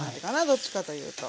どっちかというと。